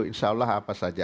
insya allah apa saja